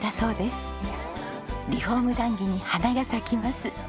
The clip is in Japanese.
リフォーム談義に花が咲きます。